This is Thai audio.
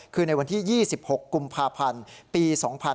คือในวันที่๒๖กุมภาพันธ์ปี๒๕๕๙